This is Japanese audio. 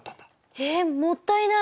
えもったいない！